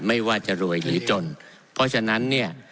ไม่ว่าจะรวยหรือจนเพราะฉะนั้นเนี่ย